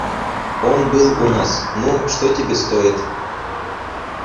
Он был у нас. Ну, что тебе стоит?